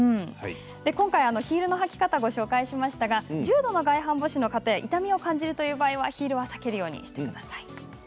今回ヒールの履き方をご紹介しましたが重度の外反母趾や痛みを感じる方はヒールを避けてみてください。